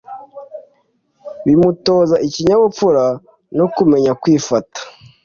bimutoza ikinyabupfura no kumenya kwifata